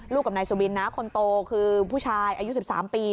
กับนายสุบินนะคนโตคือผู้ชายอายุ๑๓ปี